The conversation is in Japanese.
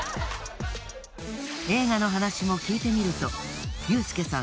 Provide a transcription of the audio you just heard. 映画の話も聞いてみるとユースケさん